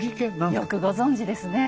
よくご存じですね。